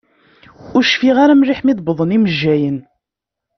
Ur cfiɣ ara mliḥ mi d-uwḍen yimejjayen.